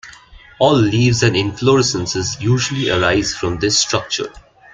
All leaves and inflorescences usually arise from this structure.